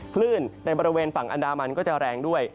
คลื่นในบริเวณฝั่งอันดามันก็จะแรงด้วย